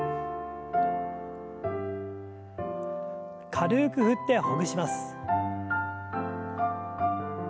軽く振ってほぐします。